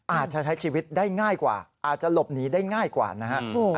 อาจจะใช้ชีวิตได้ง่ายกว่าอาจจะหลบหนีได้ง่ายกว่านะฮะ